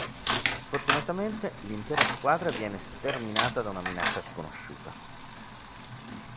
Sfortunatamente, l'intera squadra viene sterminata da una minaccia sconosciuta.